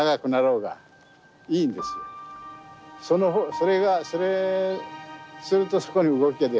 それがそれするとそこに動きが出るんです。